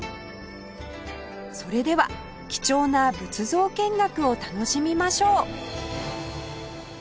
それでは貴重な仏像見学を楽しみましょう